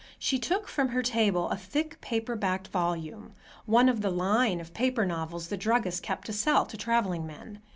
She took from her table a thick paper backed volume, one of the "line" of paper novels the druggist kept to sell to traveling men.